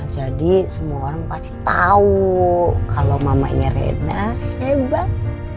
jadi semua orang pasti tahu kalau mamanya reda hebat